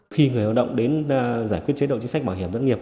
khi người lao động đến giải quyết chế độ chính sách bảo hiểm thất nghiệp